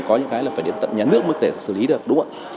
có những cái là phải đến tận nhà nước mới có thể xử lý được đúng không ạ